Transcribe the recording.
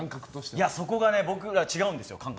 そこが僕は感覚が違うんですよ。